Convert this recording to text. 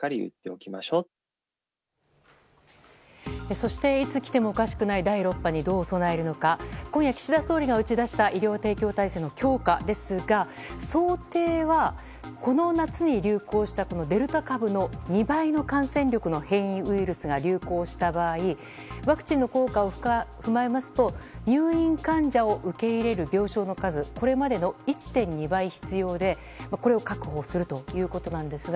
そして、いつ来てもおかしくない第６波にどう備えるのか今夜、岸田総理が打ち出した医療提供体制の強化ですが想定は、この夏に流行したデルタ株の２倍の感染力の変異ウイルスが流行した場合ワクチンの効果を踏まえますと入院患者を受け入れる病床の数これまでの１．２倍必要でこれを確保するということなんですが。